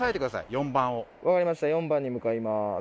分かりました４番に向かいます。